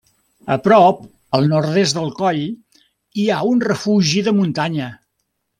A prop al nord-est del coll hi ha un refugi de muntanya.